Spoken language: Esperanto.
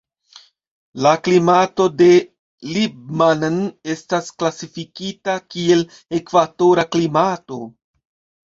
La klimato de Libmanan estas klasifikita kiel ekvatora klimato.